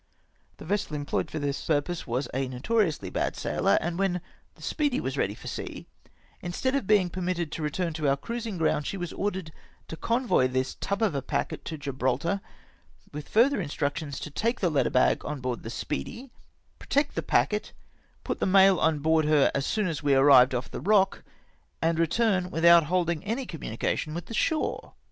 Tlie vessel employed for this purpose was a notoriously bad sailer, and when the Speedy was ready for sea, instead of being permitted to return to our cruising ground, she was ordered to convoy this tub of a packet to Gibraltar, with further instructions to take the letter bag on board the Speedy, protect the packet, put the mail on board her as soon as we arrived off the Eock, and return without holding any communica tion with the shore